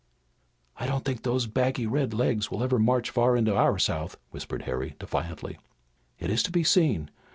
"I don't think those baggy red legs will ever march far into our South," whispered Harry defiantly. "It is to be seen.